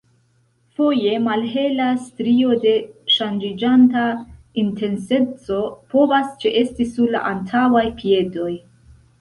Foje, malhela strio de ŝanĝiĝanta intenseco povas ĉeesti sur la antaŭaj piedoj.